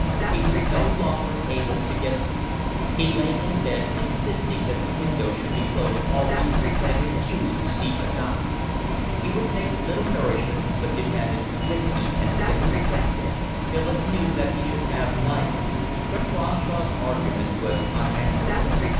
He was no longer able to get up. He lay in bed, insisting that the window should be closed always, and refused to see a doctor; he would take little nourishment, but demanded whiskey and cigarettes: Philip knew that he should have neither, but Cronshaw's argument was unanswerable.